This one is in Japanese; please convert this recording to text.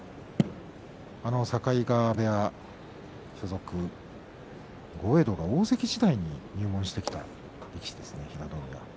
境川部屋所属豪栄道が大関時代に入門してきた力士ですね、平戸海は。